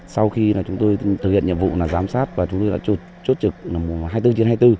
sau khi là chúng tôi thực hiện nhiệm vụ là giám sát và chúng tôi là chốt trực mùa hai mươi bốn chiến hai mươi bốn